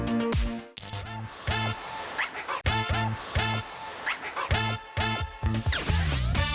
ติดตามกันใหม่นะจ๊ะกับเกะกะกองไทย